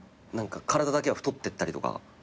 体だけは太ってったりとか。